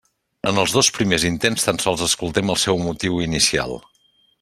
En els dos primers intents tan sols escoltem el seu motiu inicial.